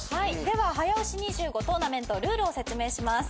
では早押し２５トーナメントルールを説明します。